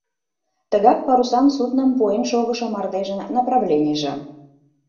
Тыгак парусан судным пуэн шогышо мардежын направленийже.